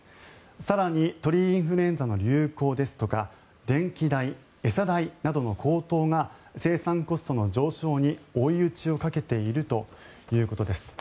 更に、鳥インフルエンザの流行ですとか電気代、餌代などの高騰が生産コストの上昇に追い打ちをかけているということです。